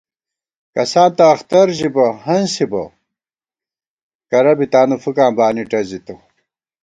کساں تہ اخترݫُپِبہ ہنسِبہ ، کرہ بی تانُو فُکاں بانی ٹَزِتہ